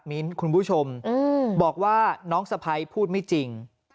มิ้นคุณผู้ชมบอกว่าน้องสะพ้ายพูดไม่จริง